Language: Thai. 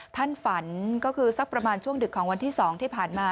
ท่านฝันก็คือสักประมาณช่วงดึกของวันที่๒ที่ผ่านมา